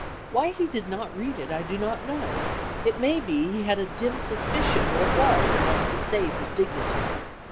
Why he did not read it I do not know, it may be he had a dim suspicion what it was and wanted to save his dignity.